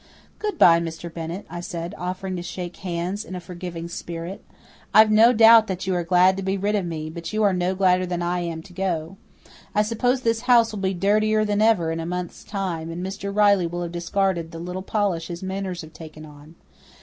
"Good bye, Mr. Bennett," I said, offering to shake hands in a forgiving spirit. "I've no doubt that you are glad to be rid of me, but you are no gladder than I am to go. I suppose this house will be dirtier than ever in a month's time, and Mr. Riley will have discarded the little polish his manners have taken on.